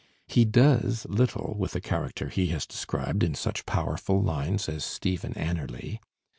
He does little with a character he has described in such powerful lines as Stephen Anerley.